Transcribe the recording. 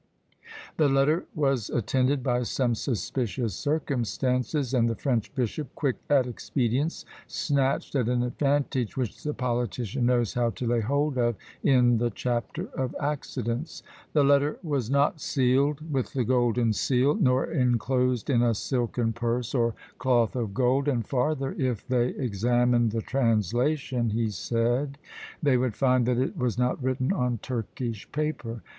The letter was attended by some suspicious circumstances; and the French bishop, quick at expedients, snatched at an advantage which the politician knows how to lay hold of in the chapter of accidents. "The letter was not sealed with the golden seal, nor enclosed in a silken purse or cloth of gold; and farther, if they examined the translation," he said, "they would find that it was not written on Turkish paper."